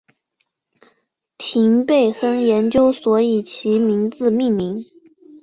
廷贝亨研究所以其名字命名。